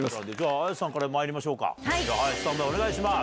綾瀬さんからまいりましょうかスタンバイお願いします。